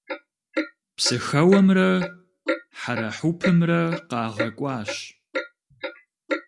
Псыхэуэмрэ хьэрэхьупымрэ къагъэкӀуащ.